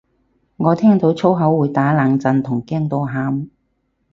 我聽到粗口會打冷震同驚到喊